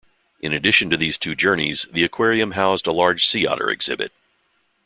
In addition to these two journeys, the aquarium housed a large sea otter exhibit.